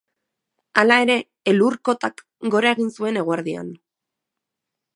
Hala ere, elur-kotak gora egin zuen eguerdian.